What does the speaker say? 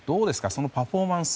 そのパフォーマンス。